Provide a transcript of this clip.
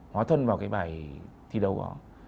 hóa thân vào cái bài thi đấu đó